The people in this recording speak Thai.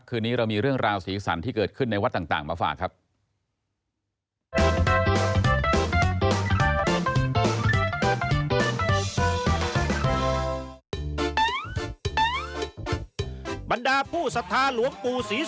คืนนี้เรามีเรื่องราวสีสันที่เกิดขึ้นในวัดต่างมาฝากครับ